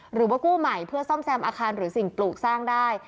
หรือว่ากู้ใหม่เพื่อซ่อมแซมอาคารหรือสิ่งปลูกสร้างได้